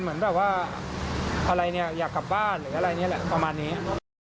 เหมือนแบบว่าอะไรเนี่ยอยากกลับบ้านหรืออะไรนี่แหละประมาณนี้